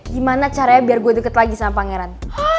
gimana caranya biar gue deket lagi sama pangeran